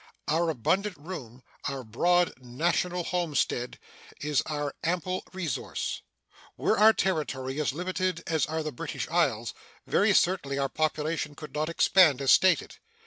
Our abundant room, our broad national homestead, is our ample resource. Were our territory as limited as are the British Isles, very certainly our population could not expand as stated.